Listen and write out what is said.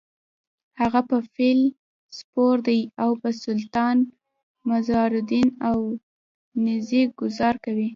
هغه په فیل سپور دی او په سلطان معزالدین د نېزې ګوزار کوي: